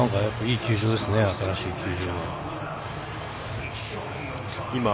いい球場ですね、新しい球場は。